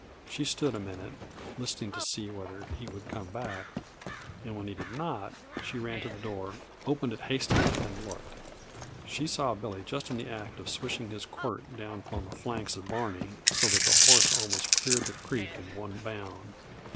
She stood a minute, listening to see whether he would come back, and when he did not, she ran to the door, opened it hastily and looked. She saw Billy just in the act of swishing his quirt down on the flanks of Barney so that the horse almost cleared the creek in one bound.